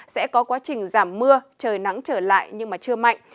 sẽ có quá trình giảm mưa trời nắng trở lại nhưng mà chưa mạnh